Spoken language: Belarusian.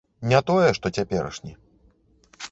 Не тое, што цяперашні.